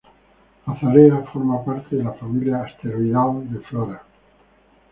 Azalea forma parte de la familia asteroidal de Flora.